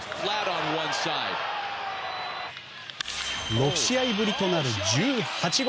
６試合ぶりとなる１８号。